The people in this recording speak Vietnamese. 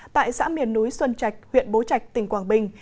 tại xã miền núi xuân trạch huyện bố trạch tỉnh quảng bình